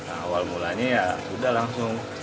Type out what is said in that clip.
awal mulanya ya sudah langsung